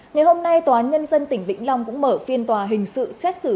ngày hôm nay tòa án nhân dân tỉnh vĩnh long cũng mở phiên tòa hình sự xét xử